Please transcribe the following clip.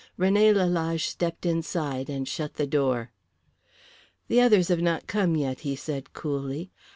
René Lalage stepped inside and shut the door. "The others have not come yet," he said coolly.